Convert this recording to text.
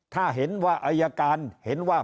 ถ้าเห็นว่าอายการเห็นว่า